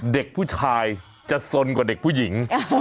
เด็กผู้ชายจะสนกว่าเด็กผู้หญิง